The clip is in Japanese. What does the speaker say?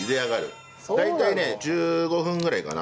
大体ね１５分ぐらいかな。